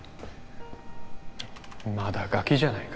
まだガキじゃないか